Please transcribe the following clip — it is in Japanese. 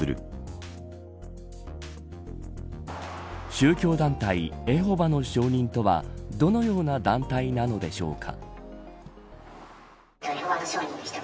宗教団体エホバの証人とはどのような団体なのでしょうか。